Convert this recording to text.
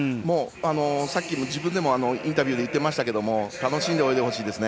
さっきも自分でもインタビューで言ってましたけども楽しんで泳いでほしいですね。